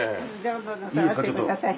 どうぞ触ってください。